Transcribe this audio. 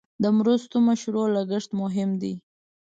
د مرستو مشروع لګښت مهم دی.